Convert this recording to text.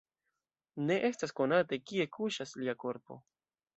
Ne estas konate, kie kuŝas lia korpo.